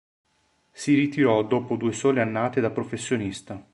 Si ritirò dopo due sole annate da professionista.